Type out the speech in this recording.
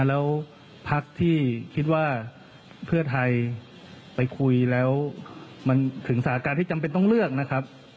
แล้วพักที่คิดว่าเพื่อไทยไปคุยแล้วมันถึงสาการที่จำเป็นต้องเลือกนะครับ